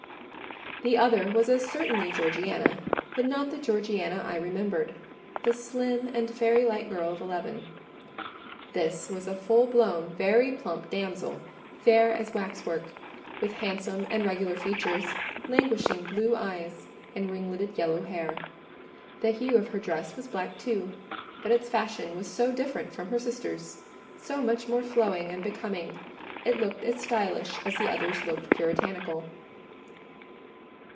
The other was as certainly Georgiana: but not the Georgiana I remembered—the slim and fairy like girl of eleven. This was a full blown, very plump damsel, fair as waxwork, with handsome and regular features, languishing blue eyes, and ringleted yellow hair. The hue of her dress was black too; but its fashion was so different from her sister's—so much more flowing and becoming—it looked as stylish as the other's looked puritanical.